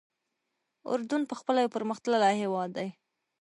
اردن پخپله یو پرمختللی هېواد دی.